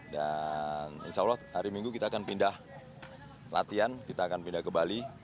dan insya allah hari minggu kita akan pindah latihan kita akan pindah ke bali